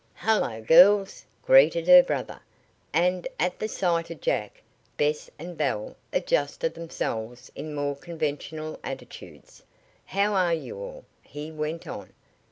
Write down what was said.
"Hello, girls," greeted her brother, and at the sight of Jack, Bess and Belle adjusted themselves in more conventional attitudes. "How are you all?" he went on.